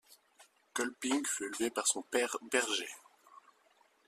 Kolping fut élevé par son père berger.